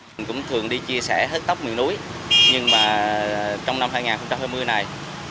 mình cũng thường đi chia sẻ hết tóc miền núi nhưng mà trong năm hai nghìn hai mươi này